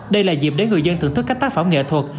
đây là dịp để người dân thưởng thức các tác phẩm nghệ thuật